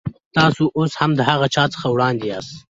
تاسو اوس هم د هغه چا څخه وړاندې یاست.